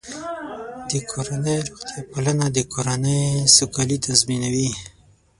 د کورنۍ روغتیا پالنه د کورنۍ سوکالي تضمینوي.